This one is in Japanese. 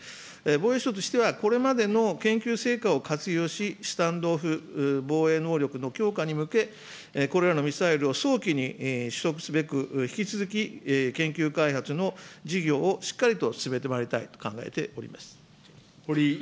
防衛省としては、これまでの研究成果を活用し、スタンド・オフ防衛能力の強化に向け、これらのミサイルを早期に取得すべく、引き続き研究開発の事業をしっかりと進めてまいりたいと考えております。